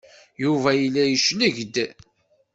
Yuba yella yecleg-d.